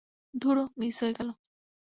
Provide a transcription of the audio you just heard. ধূরো, miss হয়ে গেলো।